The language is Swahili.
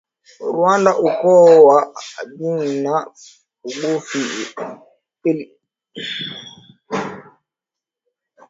Rwanda ukoo wa abanyiginya na bugufi ilitawaliwa na abaganwa